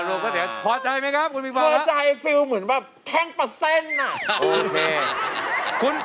รวบคืน